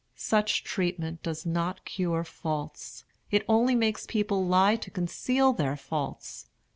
Such treatment does not cure faults; it only makes people lie to conceal their faults.